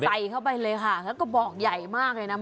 ใส่เข้าไปเลยค่ะแล้วก็บอกใหญ่มากเลยนะ